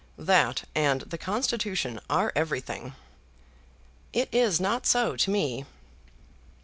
That and the Constitution are everything." "It is not so to me."